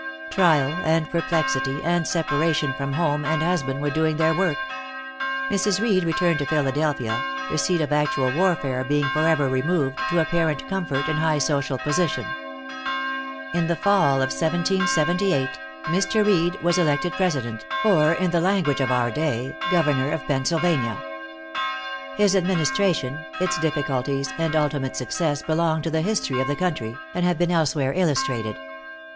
Trial and perplexity and separation from home and husband were doing their work. Mrs. Reed returned to Philadelphia, the seat of actual warfare being forever removed, to apparent comfort and high social position. In the fall of 1778, Mr. Reed was elected President, or in the language of our day, Governor of Pennsylvania. His administration, its difficulties and ultimate success belong to the history of the country, and have been elsewhere illustrated.